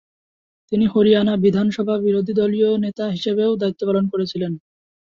তিনি হরিয়ানা বিধানসভার বিরোধীদলীয় নেতা হিসেবেও দায়িত্ব পালন করেছিলেন।